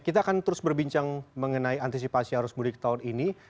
kita akan terus berbincang mengenai antisipasi arus mudik tahun ini